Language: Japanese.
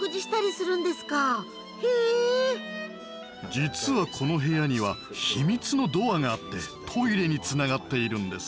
実はこの部屋には秘密のドアがあってトイレにつながっているんです。